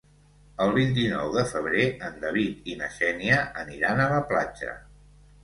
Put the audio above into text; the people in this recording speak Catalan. El vint-i-nou de febrer en David i na Xènia aniran a la platja.